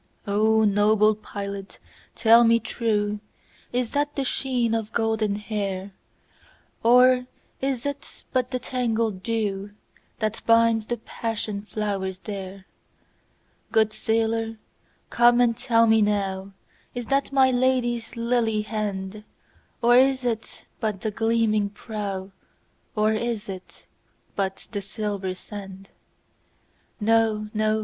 O noble pilot tell me trueIs that the sheen of golden hair? Or is it but the tangled dewThat binds the passion flowers there? Good sailor come and tell me nowIs that my Lady's lily hand? Or is it but the gleaming prow, Or is it but the silver sand? No! no!